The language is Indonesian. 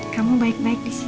kamu baik baik disini